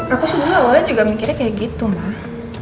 aku sebenernya awalnya juga mikirnya kayak gitu mah